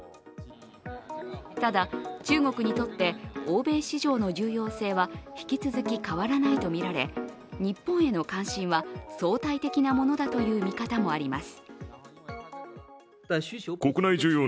ただ、中国にとって欧米市場の重要性は引き続き変わらないとみられ日本への関心は相対的なものだという見方もあります。